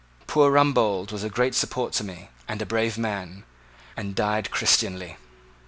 "Poor Rumbold was a great support to me, and a brave man, and died Christianly."